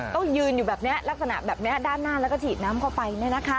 ต้องยืนอยู่แบบนี้ลักษณะแบบนี้ด้านหน้าแล้วก็ฉีดน้ำเข้าไป